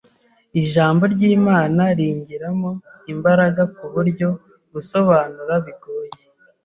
ijambo ry’Imana ringiramo imbaraga kuburyo gusobanura bigoye.